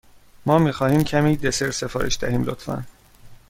ما می خواهیم کمی دسر سفارش دهیم، لطفا.